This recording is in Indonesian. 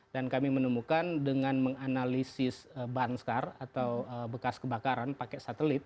dan kami menemukan dengan menganalisis bahan skar atau bekas kebakaran pakai satelit